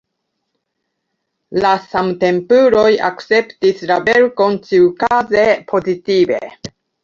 La samtempuloj akceptis la verkon ĉiukaze pozitive.